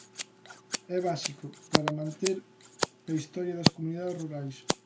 É básico para manter a historia das comunidades rurais.